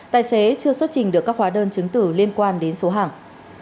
tài xế chưa xuất trình được các hóa đơn chứng tử liên quan đến số hàng